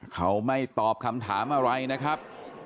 เขาไม่ตอบคำถามอะไรนะครับ